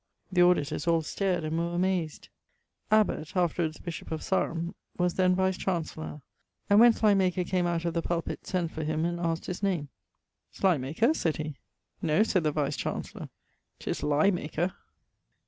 The auditors all stared and were amazed: ... Abbot (afterwards bishop of Sarum) was then Vice cancellor, and when Slymaker came out of the pulpit, sends for him, and asked his name: 'Slymaker,' sayd he; 'No,' sayd the Vice canc., ''tis Lyemaker.' Dr.